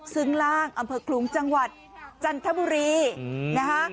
ซึ่งล่างอำเภอคลุงจังหวัดจันทบุรีนะคะ